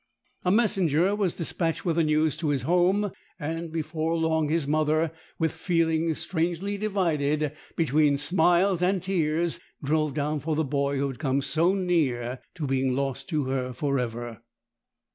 A messenger was despatched with the news to his home, and before long his mother, with feelings strangely divided between smiles and tears, drove down for the boy who had come so near to being lost to her for ever.